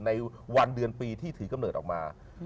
ในวันเดือนปีที่ถือกำเนิดออกมา